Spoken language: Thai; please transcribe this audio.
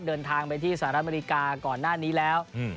เดินทางไปที่สหรัฐอเมริกาก่อนหน้านี้แล้ว